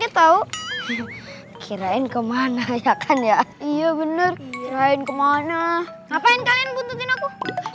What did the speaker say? kira kira in kemana ya kan ya iya bener lain kemana ngapain kalian butuhin aku